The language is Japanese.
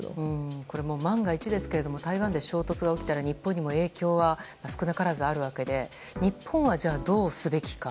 これも万が一ですけど台湾で衝突が起きたら日本にも影響が少なからずあるわけで、日本はどうすべきか。